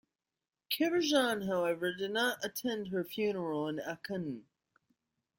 Karajan however did not attend her funeral in Aachen.